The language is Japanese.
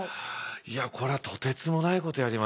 いやこれはとてつもないことやりましたよ。